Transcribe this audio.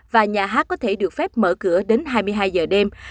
và nhà hát có thể được phép mở cửa đến hai mươi hai giờ đêm